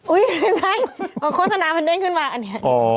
อุ๊ยใช่โฆษณามันเดินขึ้นมาอันนี้